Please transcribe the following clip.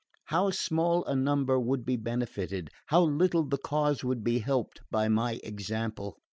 How small a number would be benefited! How little the cause would be helped by my example!